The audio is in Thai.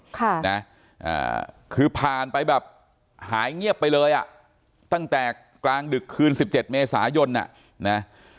ค่ะนะคือผ่านไปแบบหายเงียบไปเลยอ่ะตั้งแต่กลางดึกคืนสิบเจ็ดเมษายนอ่ะนะ